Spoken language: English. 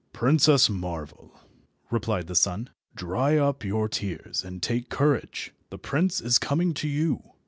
"Princess Marvel," replied the sun, "dry up your tears and take courage. The prince is coming to you.